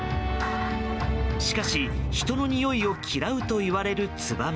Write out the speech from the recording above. しかし、人のにおいを嫌うといわれるツバメ。